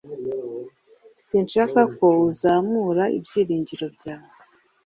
Sinshaka ko uzamura ibyiringiro byawe